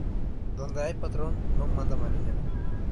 Donde hay patrón no manda marinero